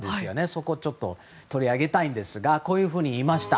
そこをちょっと取り上げたいんですがこういうふうに言いました。